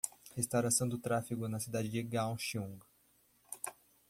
Reestruturação do tráfego na cidade de Kaohsiung